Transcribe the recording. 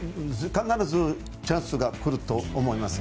必ずチャンスが来ると思います。